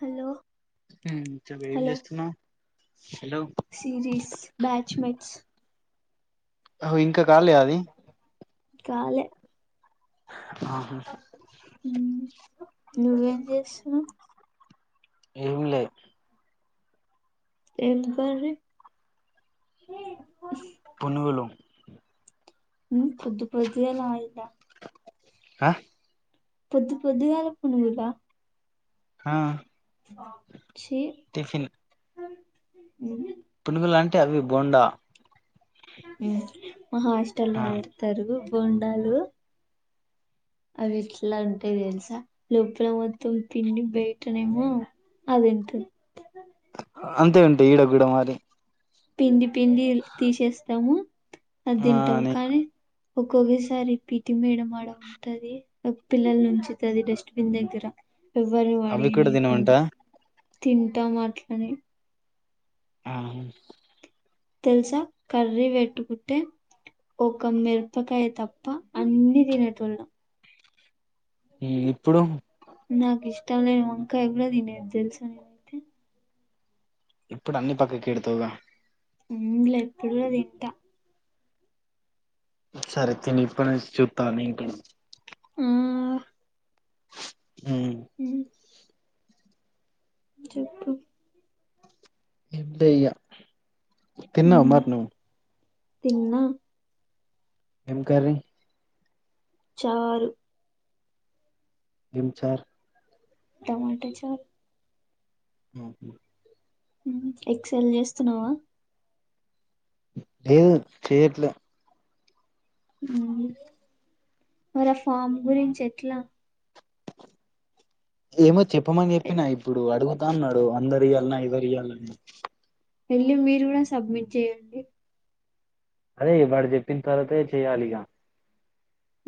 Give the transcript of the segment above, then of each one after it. Hello ఇంక ఏంటి చెప్పు ఏం హలో చేస్తున్నావు హలో సిరీస్, బ్యాచ్మెట్స్ అహో ఇంక కాలే అది కాలె ఆహా ఉమ్ నువ్వేం జేస్తున్నవ్ ఏం లే ఏం కర్రీ ఉ పునుగలు ఉమ్ పొద్దు పొద్దు గాల ఆయిలా ఆ పొద్దు పొద్దుగాల పునుగులా హా చ్చి ఉమ్ పునుగులంటే అవి బోండా ఉమ్ మా హాస్టల్లో ఆ పెడతరు బోండాలు అవి ఎట్లా ఉంటయి తెలుసా లోపల మొత్తం పిండి బయటనేమో అదెంతున్ అంతే ఉంటయి ఈడ గూడ మరి పిండి పిండి తీసేస్తము అది ఆ తింటము నీ కానీ ఒకొక్కసారి పీ టి మేడం ఆడ ఉన్ ఉంటది ఒక పిల్లల్నుంచుతది డస్ట్బిన్ దగ్గర ఎవ్వర్ని అవి కూడా పడేయనియకుండా తినమంటావా తింటామట్లనే ఆ తెల్సా కర్రీ బెట్టుకుంటే ఒక మిరపకాయ తప్ప అన్ని తినేటోళ్ళం ఉమ్ ఇప్పుడు నాకిష్టం లేని వంకాయ గూడ తినేది తెల్సా నేను ఇప్పుడన్ని పక్కకెడతవుగా ఉమ్ లే ఎప్పుడు గూడ తింటా సరే తినిప్పుడి నుంచి చెప్తా నీ [unintelligible] ఆ ఉమ్ హ్మ్ చెప్పు ఏంలే ఇగ తిన్నావ ఉమ్, మరి నువు తిన్నా ఏం కర్రీ చారు ఏం చారు టమాట చారు ఆహ ఉమ్ ఎక్స్ ఎల్ చేస్తున్నవా లేదు చెయట్లే ఉమ్ హ్ మరా ఫామ్ గురించి ఎట్లా ఏమో చెప్పమని ఎ చెప్పిన ఇప్పుడు అడుగుతా అన్నాడు అందరు ఇయాలనా ఇదరు ఇయాలనా అని వెళ్ళి మీరు కూడా సబ్మిట్ చెయ్యండి అదే వాడు చెప్పిన తర్వాతే చెయ్యాలి ఇక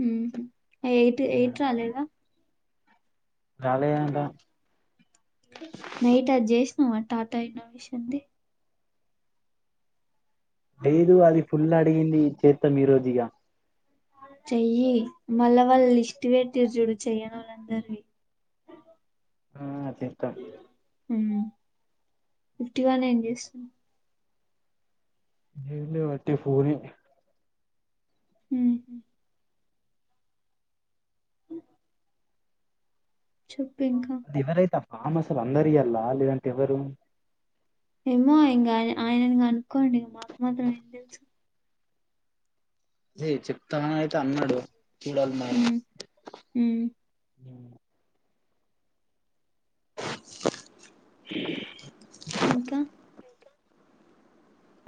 ఉహు ఎయిట్ ఎయిట్ రాలేదా రాలేదంట నైట్ అది చేసినావా టాటా అయిన విషయంది లేదు అది ఫుల్ అడిగింది చేతాం ఈ రోజు ఇగ చెయ్యి మళ్ళా వాళ్ళు లిస్ట్ పెట్టిరు చూడు చెయ్యని వాళ్ళందరివి ఆ చేస్తా ఉమ్ ఫిఫ్టీ వన్ ఏం చేస్తాం ఏం లే వట్టి ఫోర్ ఈ ఉమ్ చెప్పు ఇంక ఎవరైతే ఆ ఫామ్ అసలు అందరి ఇయ్యాలా లేదంటే ఎవరు ఏమో ఇంకా ఆయ ఆయనని కనుకోండి ఇంక మాకు మాత్రం ఏం తెలుసు దే చెప్తానని అయితే అన్నాడు చూడాలి మరి హ్మ్ హ్మ్ ఉమ్ ఇ ఇంకా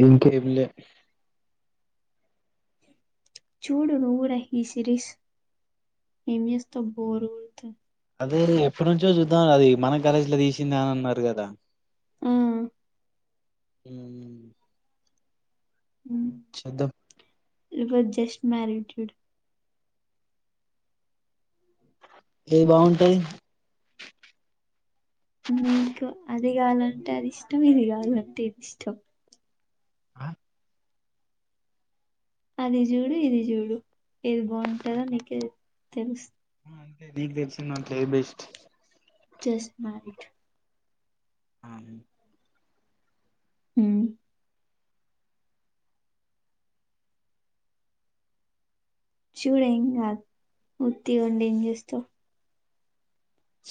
ఇంక ఇమి లే చూడు నువ్వు కూడా ఈ సిరీస్ ఏం చేస్తావు బోరు గొడ్ అదే ఎప్పటి నుంచో చూద్దాం అది మన కాలేజ్లా తీసిందని అన్నారు కదా ఉమ్ ఉమ్ ఉమ్ చూద్దాం యువర్ జస్ట్ మ్యారీడ్ చూడు ఏది బాగుంటది నీకు అది కావాలంటే అది ఇష్టం ఇది కావాలంటే ఇది ఇష్టం ఆ అది చూడు ఇది చూడు ఏది బాగుంటదని నీకే తె తెలుస్ ఆ అంతే నీకు తెలుసు నాకు ఏం బెస్ట్ జస్ట్ మ్యారీడ్ ఆ నిన్ ఉమ్ చూడు ఏం కాదు ఉట్టిగా ఉండి ఏం చేస్తావు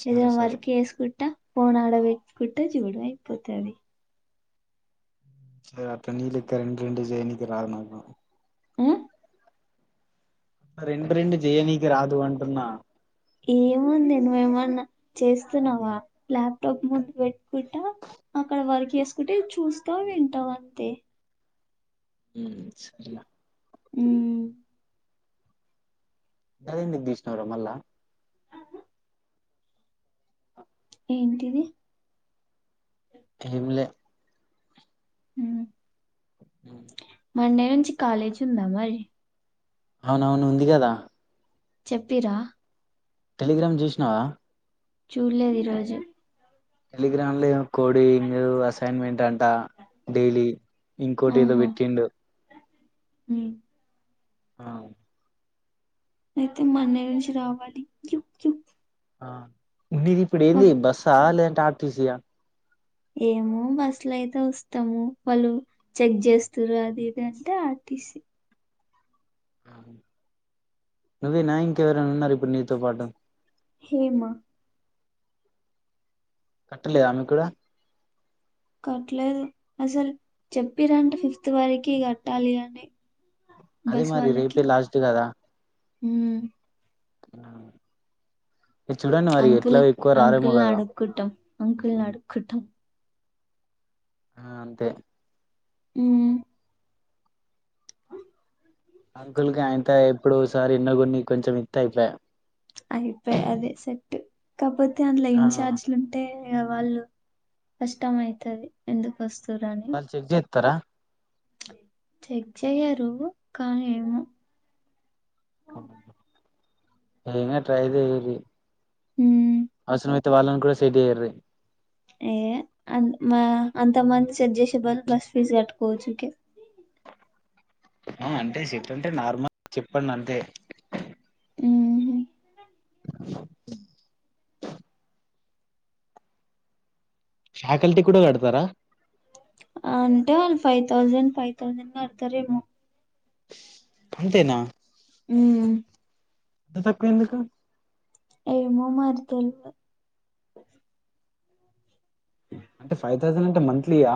సరే ఏదన్నా సరే వర్క్ చేసుకుంటా ఫోన్ ఆడ పెట్టుకుంటా చూడు అయిపోతది సరే అట్ల నీ లెక్క రెండు రెండు చేయనీకి రాదు నాకు మాత్రం ఆ? రెండు రెండు చెయ్యనీకి రాదు అంటున్నా ఏముంది నువ్వేమైనా చేస్తున్నావా లాప్టాప్ ముందుకు పెట్టుకుంటా అక్కడ వర్క్ చేసుకుంటే ఇది చూస్తావు వింటావు అంతే ఉమ్ సరేనా ఉమ్ అది ఎందుకు తీసినావు రా మల్ల ఏంటిది ఏం లే ఉమ్, ఉ ఉమ్ మండే నుంచి కాలేజ్ ఉందా మరి? అవునవును ఉంది కదా చెప్పిర్రా? టెలిగ్రామ్ చూసినావా? చూడ్లేదు ఈరోజు టెలిగ్రామ్ లో ఏదో కోడింగ్, ఏదో అసైన్మెంట్ అంట డైలీ ఇంకోటి ఏదో పెట్టిండు. మ్మ్ ఆ అయితే మండే నుంచి రావాలి యు. ఆ నీది ఇప్పుడేంది మాక్ బస్సా లేదంటే ఆర్టీసీ ఆ ఏమో బస్సులు అయితే వస్తాము, వాళ్ళు చెక్ చేస్తుర్రు అది ఇది అంటే ఆర్టీసీ నువ్వేనా ఇంకా ఎవరైనా ఉన్నారా ఇప్పుడు నీతో పాటు హేమ కట్టలేదా ఆమెకు కూడా కట్లేదు అసలు చెప్పిరంట ఫిఫ్త్ వరకి కట్టాలి అని అదే మరి బస్సువాళ్లకి, రేపే లాస్ట్ కదా హుమ్ చూడండి మరి ఎట్లా ఎక్కువ రారేమో కదా కుట్టం అంకుల్నడుకుట్టం ఆ అంతే ఉమ్మ్ అంకుల్కి అయింత ఎప్పుడో ఓసారి ఎన్నో కొన్ని కొంచెం ఇత్తే అయిపోయె. అయిపోయే అదే సెట్, కాపోతే అందులో ఆ ఇన్చార్జిలుం టే వాళ్ళు కష్టమైతది, ఎందుకు వస్తుర్రని వాళ్ళు చెక్ చేత్తరా? చెక్ చేయరు, కానీ ఏమో ఏంకాదు ట్రై చెయ్యుర్రి ఉమ్మ్ అవసరమైతే వాళ్ళని కూడా సెట్ చేయుర్రి ఏ అ మా అంత మంది సెట్ చేసే బదులు బస్ ఫీజ్ కట్టుకోవచ్చికే ఆ అంటే సెట్ అంటే నార్మల్ చెప్పండి అంతే ఉమ్ [inaudible] ఫ్యాకల్టీ కూడా కడతారా? అంటే వాళ్ళు ఫైవ్ థౌజండ్ ఫైవ్ థౌజండ్ కడతారేమో అంతేనా ఉమ్మ్ అంత తక్కువ ఎందుకు ఏమో మరి తెల్వద్ అంటే ఫైవ్ థౌజండ్ అంటే మంత్లీయా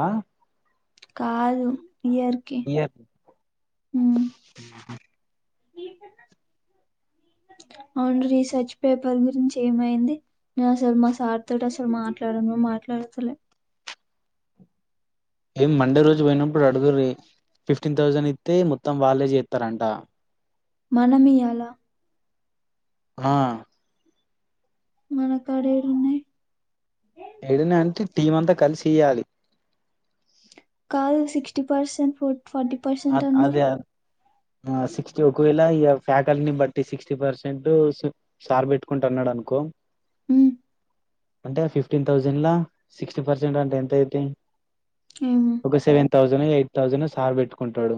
కాదు ఇయర్ కి ఏ ఉమ్ అవును రీసెర్చ్ పేపర్ గురించి ఏమైంది? నేను అసలు మా సార్ తోటి అసలు మాట్లాడను కూడా మాట్లాడతల్లే మండే రోజు వొయినప్పుడు అడుగుర్రి ఫిఫ్టీన్ థౌజండ్ ఇత్తే మొత్తం వాళ్ళే జేతరంట మనమియ్యాల ఆ మనకాడేడున్నాయ్ ఏడున్నా అంటే టీం అంతా కలిసియ్యాలి కాద్ సిక్స్టీ పర్సెన్ ఫు ఫార్టీ పర్స్ ఆద్ అదే ఆన్ ఆ సిక్స్టీ ఒకవేళ ఇగ ఫ్యాకల్ని బట్టి సిక్స్టీ పర్సెంటూ సు సార్ బెట్టుకుంటా అన్నాడనుకో ఊ అంటే ఆ ఫిఫ్టీన్ థౌజెన్ లా సిక్స్టీ పర్సెంటంటే ఎంతైద్ది ఏమో ఒక సెవెన్ థౌజనో ఎయిట్ థౌజనో సార్ బెట్టుకుంటాడు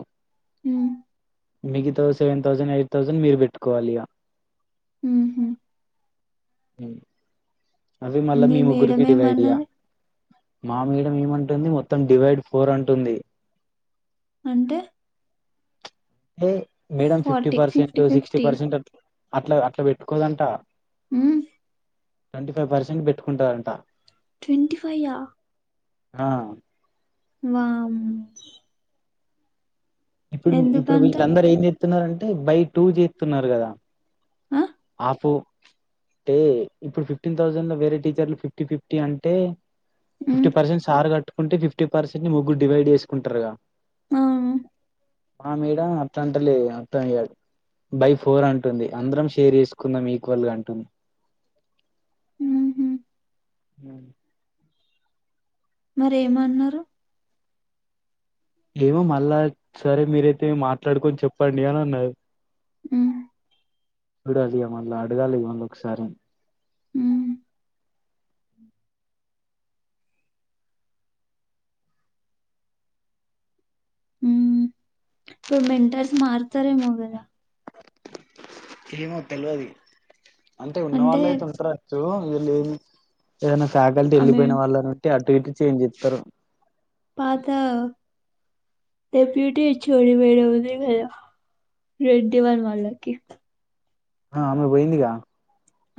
హ్మ్ మిగతా సెవన్ థౌజను ఎయిట్ థౌజన్ మీర్ బెట్టుకోవాలిగా ఊహు ఉ అవి మళ్ళా మీ మేడం ముగ్గురుకి డివైడిగా ఏమన్నది మామొల్గ మేమంటుంది మొత్తం డివైడ్ ఫోర్ అంటుంది అంటే టే madam fifty forty percent sixty fifty పర్సెంటట్ల అట్లా అట్ల వెట్టుకోదంట ఊ ట్వంటీ ఫైవ్ పర్సెంట్ బెట్టుకుంటాదంట ట్వంటి ఫైయ్యా ఆ వామ్ ఇప్పుడు ఇప్పుడు ఎందుకంట వీళ్ళందరూ ఏం జేత్తున్నారంటే బై టూ జేత్తున్నారు గదా ఆ ఆఫూ టే ఇప్పుడు ఫిఫ్టీన్ థౌజండ్ లో వేరే టీచర్లు ఫిఫ్టీ ఫిఫ్టీ అంటే ఫిఫ్టీ హ్మ్ పర్సెన్ సారు గట్టుకుంటే ఫిఫ్టీ పర్సెంట్ ని ముగ్గు డివైడ్ జేస్కుంటరుగా అవును మా మేడమ్ అట్లంటలేదు గా [unintelligible] బై ఫోర్ అంటుంది అందరం షేర్ జేస్కుందాం ఈక్వల్ గా అంటుంది హుహు ఊ మరి ఏమన్నారు ఏమో మళ్ళా సరే మీరైతే మాట్లాడుకొన్ చొప్పండి అని అన్నా [unintelligible] ఉ చూడాలిగా మళ్ళా అడగాలిగ మళ్ళొకసారి హ్మ్ ఊ ఇఫ్ మెంటర్స్ మార్తారేమో గదా ఏమో తెల్వాది అంటే ఉన్నవాల్లే [unintelligible] వీల్లేమి ఏదైనా ఫ్యాకల్టీ ఆమె ఎళ్ళిపోయిన వాళ్ళనుట్టే అటు ఇట్టు చేంజ్ జేత్తరు పాతావ్ [unintelligible] అ ఆమె వొయ్యిందిగా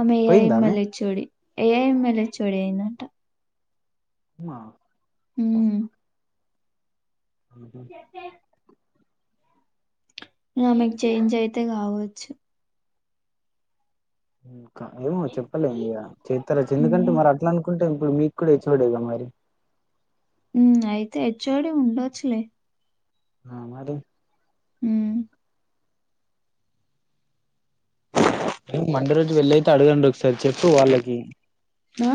ఆమె ఏఐ మళ్ళ ఎచ్ఓడి ఏఐ మాళ్ళి హెచ్ఓడి అయిందంట ఉమ్మా ఊహు [inaudible] [unintelligible] ఆమెక్ చేంజ్ అయితే కావోచ్చు [unintelligible] చెప్పలేం ఇక చేత్తరా ఎందుకంటే ఉమ్, మరి అట్లా అనుకుంటే ఇప్పుడు మీక్ క్కూడా హెచ్ ఒడే గా మరి అయితే ఎచ్ ఓడి ఉండొచ్చులే ఆ మరి ఉ మండె రోజు వెళ్ళి అయితే అడగండి ఒకసారి చెప్పు వాళ్ళకి ఆ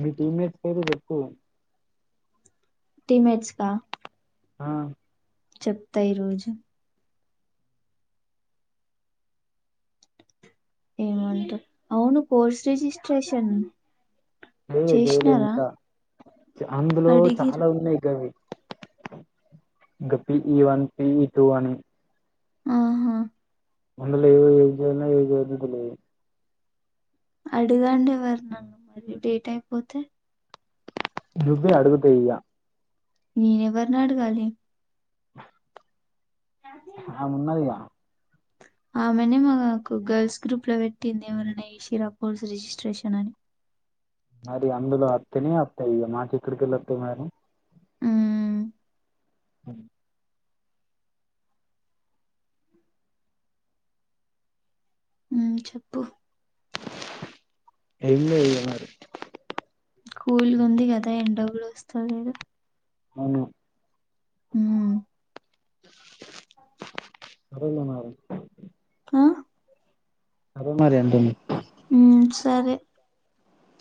మీ టీమేట్స్ పేరు చెప్పు టీమేట్స్ కా ఆ చెప్తా ఈరోజు ఏమంటా అవును కోర్స్ రిజిస్ట్రేషన్ లే చేయలే చేసినారా ఇంకా అందులో అడిగిరా చాలా ఉన్నాయి గవి [unintelligible] పీ వన్ పీజీ టూ అని ఆహ అందులో ఎం చేయాలో చేయొద్దొ తెలియదు కొన్ని అడగండి ఎవరినన్న మరి డేటా అయిపోతే నువ్యే అడుగుతె ఇయ్య నేన్ ఎవర్ని అడగాలి ఆమె ఉన్నదిగ ఆమెనే మాకు గర్ల్స్ గ్రూప్ లో పెట్టింది. ఎమరన్నా షిరా పోల్స్ రిజిస్ట్రేషన్ అని మరి అందులో అత్తనే వత్తాయి మా చి ఇక్కడికిళ అత్తాయి మరి ఉమ్, అన్ ఉమ్ చెప్పు ఏళ్లి ఏయ్యి మరి కూల్గ ఉంది కదా ఎండ కూడా వస్తాలేదు అవును హ్మ్ సరేలె మరి ఆ సరె మరి అంటున్న ఉమ్ సరే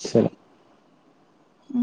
సరే ఉ